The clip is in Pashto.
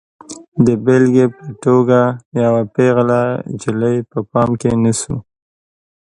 د بېلګې په توګه یوه پیغله نجلۍ په پام کې نیسو.